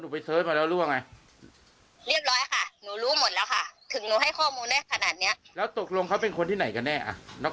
ในที่สุดก็ไม่ได้ท้องเพราะว่าไปโรงพยาบาลเหมือนกันโปะแตก